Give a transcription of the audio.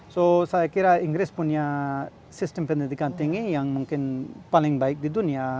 jadi saya kira inggris punya sistem pendidikan tinggi yang mungkin paling baik di dunia